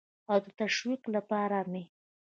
او د تشویق لپاره مې